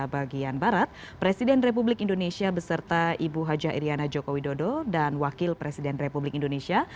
bagian barat presiden republik indonesia beserta ibu haja iryana joko widodo dan wakil presiden republik indonesia